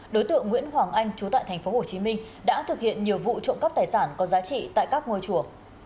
đối tượng nguyễn hoàng anh trú tại thành phố hồ chí minh đã thực hiện nhiều vụ trộm cắp tài sản có giá trị tại các ngôi chùa